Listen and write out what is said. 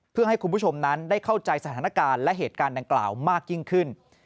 เพื่อให้คุณผู้ชมนั้นได้เข้าใจสถานการณ์และเหตุการณ์ดังกล่าวมากยิ่งขึ้น